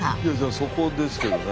そこですけどね。